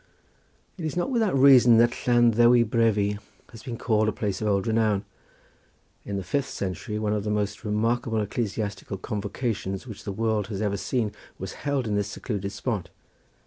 It is not without reason that Llan Ddewi Brefi has been called a place of old renown. In the fifth century, one of the most remarkable ecclesiastical convocations which the world has ever seen was held in this secluded spot.